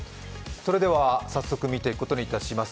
それでは早速、見ていくことにいたします。